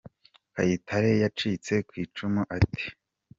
Kayitare yacitse ku icumu ate ?